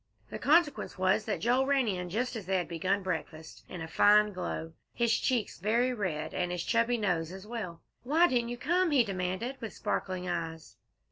The consequence was that Joel ran in just as they had begun breakfast, in a fine glow, his cheeks very red, and his chubby nose as well. "Why didn't you come?" he demanded, with sparkling eyes.